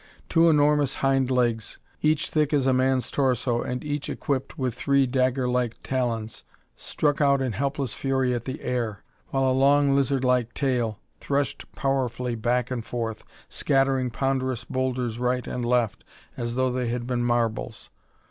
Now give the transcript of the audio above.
Two enormous hind legs, each thick as a man's torso and each equipped with three dagger like talons, struck out in helpless fury at the air, while a long, lizard like tail threshed powerfully back and forth, scattering ponderous boulders right and left as though they had been marbles.